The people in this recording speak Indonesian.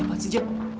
apaan sih jack